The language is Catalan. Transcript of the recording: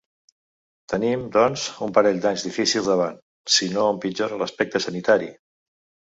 Tenim, doncs, un parell d’anys difícils davant… si no empitjora l’aspecte sanitari.